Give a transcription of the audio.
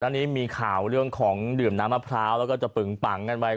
อันนี้มีข่าวเรื่องของดื่มน้ำมะพร้าวแล้วก็จะปึงปังกันไป